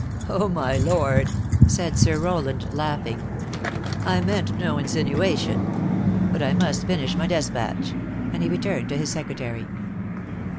" Oh, my lord," said Sir Rowland, laughing, " I meant no insinuation. But I must finish my des patch," and he returned to his secretary.